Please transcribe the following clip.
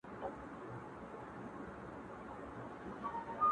دوى ما اوتا نه غواړي ـ